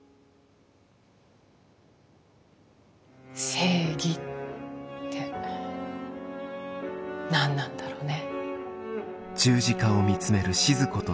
正義って何なんだろうね。